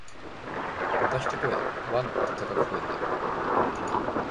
また一声、わん、と高く吠えて、